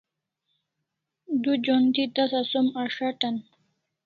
Du jon thi tasa som as'atan